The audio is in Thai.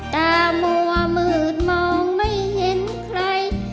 ตามัวมืดมองไม่เห็นใคร